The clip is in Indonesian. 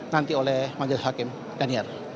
nanti oleh majelis hakim daniar